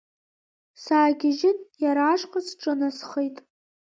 Саагьежьын иара ашҟа сҿынасхеит.